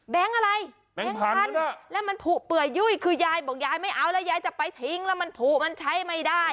อะไรแบงค์พันธุ์แล้วมันผูกเปื่อยยุ่ยคือยายบอกยายไม่เอาแล้วยายจะไปทิ้งแล้วมันผูกมันใช้ไม่ได้